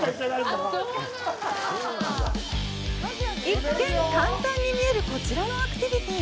一見、簡単に見えるこちらのアクティビティ。